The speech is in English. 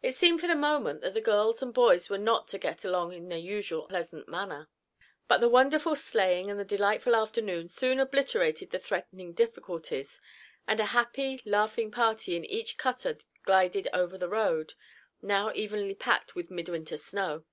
It seemed for the moment that the girls and boys were not to get along in their usual pleasant manner. But the wonderful sleighing, and the delightful afternoon, soon obliterated the threatening difficulties, and a happy, laughing party in each cutter glided over the road, now evenly packed with mid winter snow.